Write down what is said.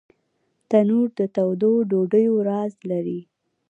تنور د تودو ډوډیو راز لري